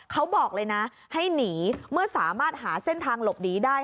เขาบอกเลยนะให้หนีเมื่อสามารถหาเส้นทางหลบหนีได้